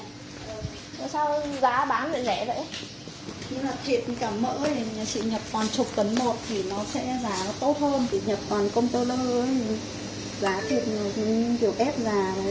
thì nhập còn công tơ lơ thì giá thịt kiểu ép giá thì giá tốt hơn